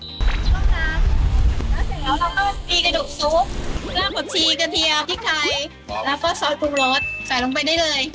แล้วเสร็จแล้วเราก็ตีกระดูกซุปแล้วก็ผักชีกระเทียมพริกไทยแล้วก็ซอสปรุงรสใส่ลงไปได้เลย